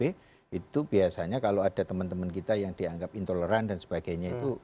itu biasanya kalau ada teman teman kita yang dianggap intoleran dan sebagainya itu